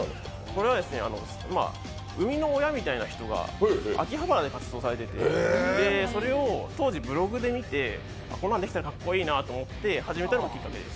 これは、生みの親みたいな人が秋葉原で活動されていてそれを当時、ブログで見てこんなんできたらかっこいいなと思って始めたのがきっかけです。